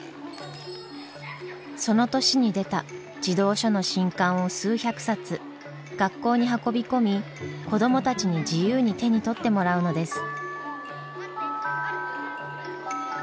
その年に出た児童書の新刊を数百冊学校に運び込み子どもたちに自由に手に取ってもらうのです。